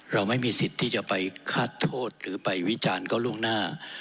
เราไม่มีสิทธิ์ที่จะไปฆาตโทษหรือไปวิจารณ์ก็ล่วงหน้า